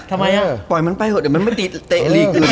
ทำไมอ่ะปล่อยมันไปเถอะเดี๋ยวมันไม่ติดเตะลีกเลย